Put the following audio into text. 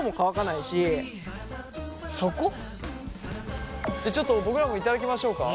そこ？じゃちょっと僕らも頂きましょうか。